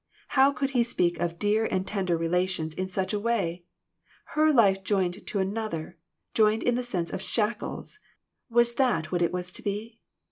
How could he speak of dear and tender relations in such a way ? Her life joined to another's, joined in the sense of shackles ! Was that what it was to be